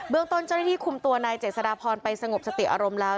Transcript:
เบื้องต้นจะได้ที่คุมตัวนายเจศรพรไปสงบสติอารมณ์แล้ว